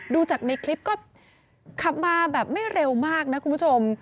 ดูจากในคลิปก็ขับมาแบบไม่เร็วมากนะคุณผู้ชม